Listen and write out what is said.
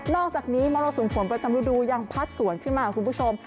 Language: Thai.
อกจากนี้มรสุมฝนประจำฤดูยังพัดสวนขึ้นมาคุณผู้ชม